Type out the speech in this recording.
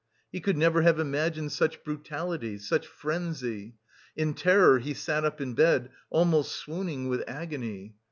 He could never have imagined such brutality, such frenzy. In terror he sat up in bed, almost swooning with agony.